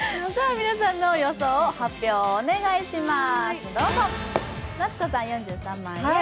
皆さんの予想の発表をお願いします。